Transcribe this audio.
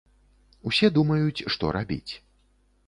Усе думаюць, што рабіць.